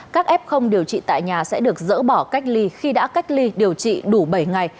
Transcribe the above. các f điều trị tại nhà sẽ được dỡ bỏ cách ly khi đã cách ly điều trị đủ bảy ngày